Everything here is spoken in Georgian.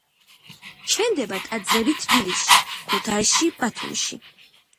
შენდება ტაძრები თბილისში, ქუთაისში, ბათუმში.